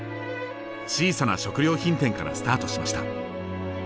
小さな食料品店からスタートしました。